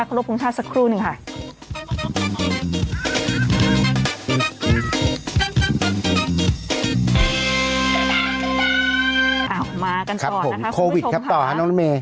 ครับผมโควิดครับต่อนะน้องตัวเมย์